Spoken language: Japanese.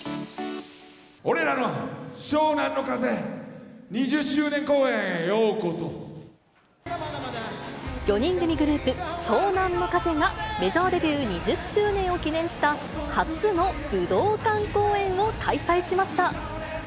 俺らの湘南乃風２０周年公演４人組グループ、湘南乃風がメジャーデビュー２０周年を記念した初の武道館公演を開催しました。